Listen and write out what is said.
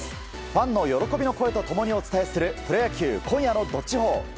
ファンの喜びの声と共にお伝えするプロ野球今夜の「＃どっちほー」。